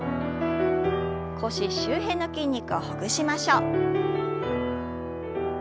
腰周辺の筋肉をほぐしましょう。